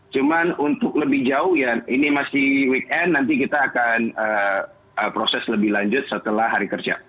cuma untuk lebih jauh ya ini masih weekend nanti kita akan proses lebih lanjut setelah hari kerja